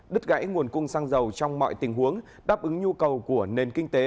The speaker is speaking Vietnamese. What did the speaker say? đứt gãy nguồn cung xăng dầu trong mọi tình huống đáp ứng nhu cầu của nền kinh tế